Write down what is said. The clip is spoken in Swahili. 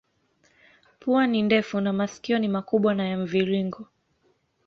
Pua ni ndefu na masikio ni makubwa na ya mviringo.